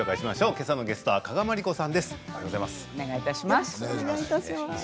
けさのゲストは加賀まりこさんです。